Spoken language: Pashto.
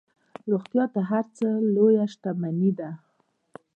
روغتیا تر هر څه لویه شتمني ده.